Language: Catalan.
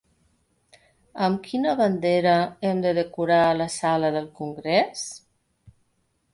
Amb quina bandera hem de decorar la sala del Congrés?